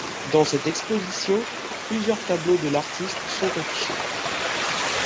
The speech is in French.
Dans cette exposition, plusieurs tableaux de l'artiste sont affichés.